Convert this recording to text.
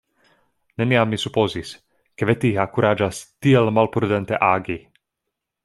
Neniam mi supozis, ke Vetiha kuraĝas tiel malprudente agi.